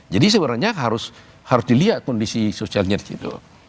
jadi sebenarnya harus dilihat kondisi sosialnya disitu